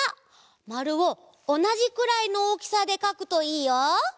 まるをおなじくらいのおおきさでかくといいよ！